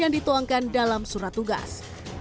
dan surat tugas